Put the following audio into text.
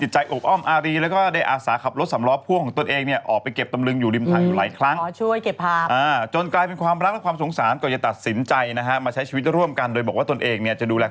จากนั้นงูเหลือมก็ค่อยไขย่อนแมวที่เพิ่งเกิดอาทิตย์เดียว๓ตัว